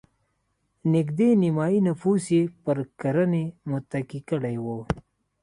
نږدې نیمايي نفوس یې پر کرنې متکي کړی و.